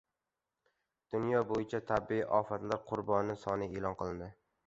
Dunyo bo‘yicha tabiiy ofatlar qurbonlari soni e’lon qilindi